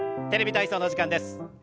「テレビ体操」の時間です。